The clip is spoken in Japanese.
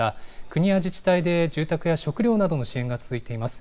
国や自治体で住宅や食料などの支援が続いています。